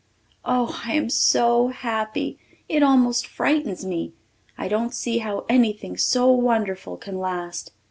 Oh, I am so happy! It almost frightens me I don't see how anything so wonderful can last.